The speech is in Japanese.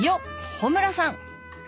穂村さん！